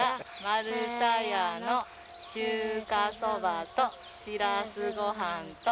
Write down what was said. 「丸田屋の中華そばと」「しらすごはんと」